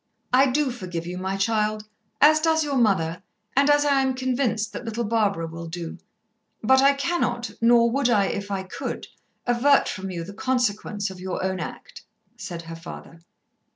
"I do forgive you, my child, as does your mother, and as I am convinced that little Barbara will do. But I cannot, nor would I if I could, avert from you the consequence of your own act," said her father.